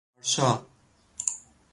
ارشا